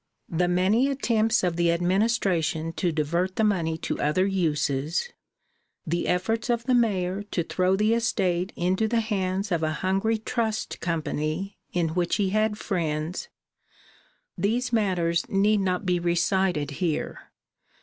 The many attempts of the administration to divert the money to other uses; the efforts of the mayor to throw the estate into the hands of a hungry trust company in which he had friends these matters need not be recited here.